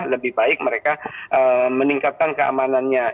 lebih baik mereka meningkatkan keamanannya